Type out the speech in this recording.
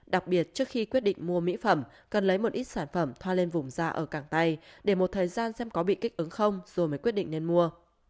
đặc biệt trước khi quyết định mua mỹ phẩm cần lấy một ít sản phẩm thoa lên vùng da ở càng tay để một thời gian xem có bị kích ứng không rồi mới quyết định nên mua